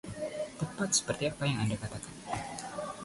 Tepat seperti apa yang Anda katakan.